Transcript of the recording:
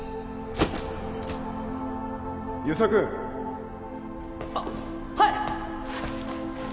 遊佐君あはい！